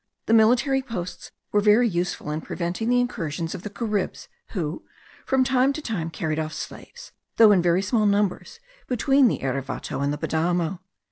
The military posts were very useful in preventing the incursions of the Caribs, who, from time to time carried off slaves, though in very small numbers, between the Erevato and the Padamo.